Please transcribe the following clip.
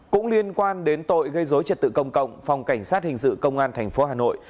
cũng liên quan đến tội gây dối trật tự công cộng phòng cảnh sát hình sự công an tp hà nội